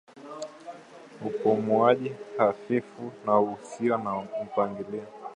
Upumuaji hafifu na usio na mpangilio